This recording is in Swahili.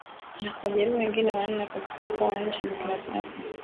na kuwajeruhi wengine wanane katika mkoa wa nchini Burkina Faso